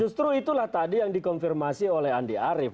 justru itulah tadi yang dikonfirmasi oleh andi arief